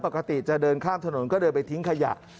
ปกติจะเดินข้ามถนนก็เดินไปทิ้งขยะ